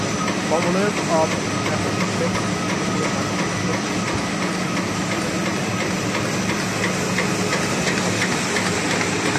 Commonwealth of Massachusetts সমগ্র মার্কিন যুক্তরাষ্ট্রের ইতিহাসে একটি শক্তিশালী বৈজ্ঞানিক, বাণিজ্যিক ও সাংস্কৃতিক ভূমিকা পালন করেছে।